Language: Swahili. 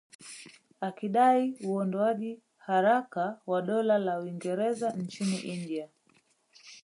Akidai uondoaji haraka wa Dola la Uingereza nchini India